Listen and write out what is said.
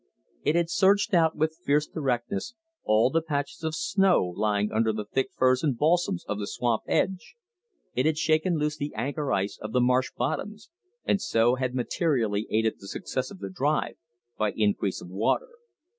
It had searched out with fierce directness all the patches of snow lying under the thick firs and balsams of the swamp edge, it had shaken loose the anchor ice of the marsh bottoms, and so had materially aided the success of the drive by increase of water.